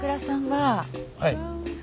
はい。